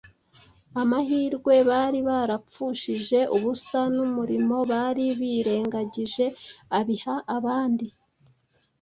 amahirwe bari barapfushije ubusa n’umurimo bari barirengagije abiha abandi.